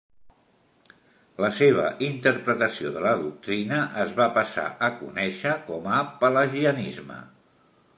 La seva interpretació de la doctrina es va passar a conèixer com a pelagianisme.